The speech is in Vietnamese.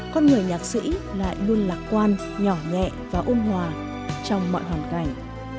con người nhạc sĩ lại luôn lạc quan nhỏ nhẹ và ôm hòa trong mọi hoàn cảnh